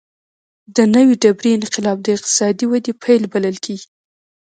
د نوې ډبرې انقلاب د اقتصادي ودې پیل بلل کېږي.